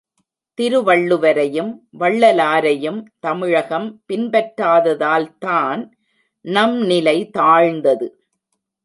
திருவள்ளுவரையும் வள்ளலாரையும் தமிழகம் பின்பற்றாததால்தான் நம்நிலை தாழ்ந்தது.